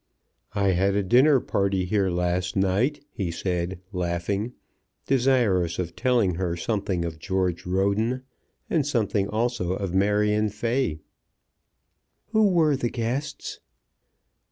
"I had a dinner party here last night," he said laughing, desirous of telling her something of George Roden, and something also of Marion Fay. "Who were the guests?"